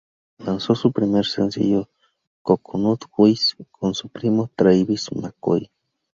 Lanzó su primer sencillo "Coconut Juice" con su primo Travis McCoy.